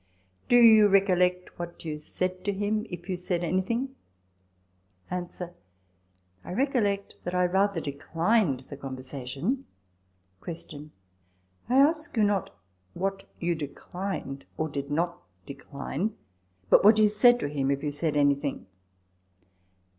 Do you recollect what you said to him, if you said anything ? A. I recollect that I rather declined the conver sation. Q. I ask you, not what you declined or did not decline, but what you said to him, if you said any thing